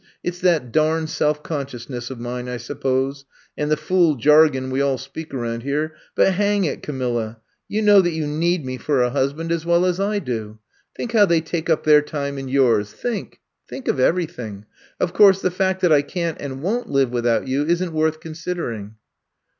It 's that dam self consciousness of mine, I suppose. And the fool jargon we all speak around here. But hang it, Camilla, you know that you need me for a husband 40 I'VE COMB TO STAY as well as I do. Think how they take up their time and yours. Think — think of everything! Of course, the fact that I can't and won't live without you isn't worth considering.